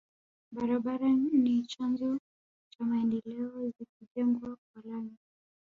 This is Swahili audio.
Barabara ni chanzo cha maendeleo zikijengwa kwa lami